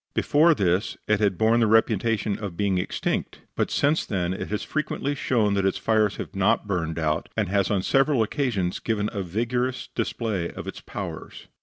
Before this it had borne the reputation of being extinct, but since then it has frequently shown that its fires have not burned out, and has on several occasions given a vigorous display of its powers.